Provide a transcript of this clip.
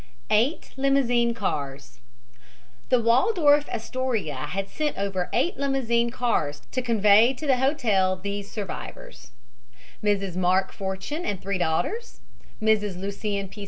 EIGHT LIMOUSINE CARS The Waldorf Astoria had sent over eight limousine car to convey to the hotel these survivors: Mrs. Mark Fortune and three daughters, Mrs. Lucien P.